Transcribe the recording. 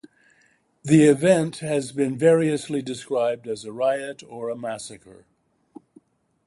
The event has been variously described as a "riot" or a "massacre".